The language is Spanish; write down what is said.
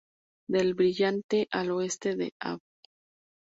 Del Brillante, al oeste de Av.